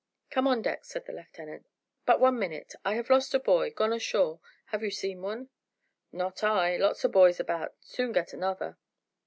"Come on deck," said the lieutenant. "But one minute. I have lost a boy gone ashore. Have you seen one?" "Not I; lots o' boys about, soon get another!"